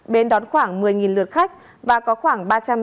bến đón khoảng một mươi lượt khách